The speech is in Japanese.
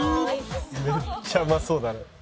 めっちゃうまそうだね。